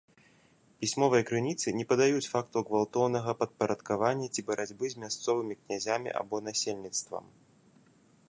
Пісьмовыя крыніцы не падаюць фактаў гвалтоўнага падпарадкавання ці барацьбы з мясцовымі князямі або насельніцтвам.